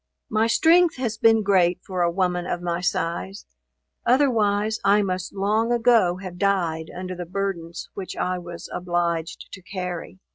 My strength has been great for a woman of my size, otherwise I must long ago have died under the burdens which I was obliged to carry.